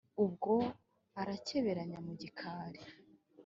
,Ubwo arakeberanya mu gikari,